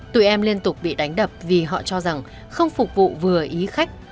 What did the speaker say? tụi em liên tục bị đánh đập vì họ cho rằng không phục vụ vừa ý khách